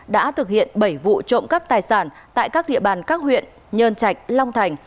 đã thực hiện bảy vụ trộm cắp tài sản tại các địa bàn các huyện nhơn trạch long thành